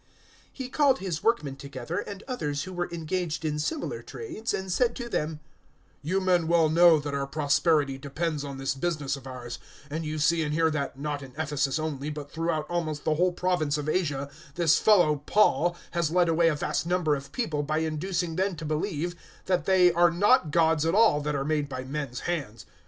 019:025 He called his workmen together, and others who were engaged in similar trades, and said to them, "You men well know that our prosperity depends on this business of ours; 019:026 and you see and hear that, not in Ephesus only but throughout almost the whole province of Asia, this fellow Paul has led away a vast number of people by inducing them to believe that they are not gods at all that are made by men's hands.